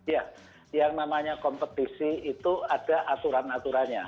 ya yang namanya kompetisi itu ada aturan aturannya